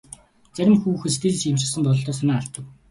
Зарим хүүхэд сэтгэл шимширсэн бололтой санаа алдав.